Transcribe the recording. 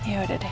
ya udah deh